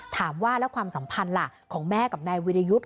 ถามว่าแล้วความสัมพันธ์ล่ะของแม่กับนายวิรยุทธ์